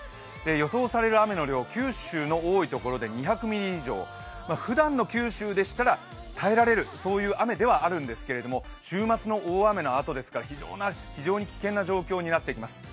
予想される雨の量、九州の多いところで２００ミリ以上、ふだんの九州でしたら耐えられるそういう雨ではあるんですけど、週末の大雨のあとですから、非常に危険な状況になってきます。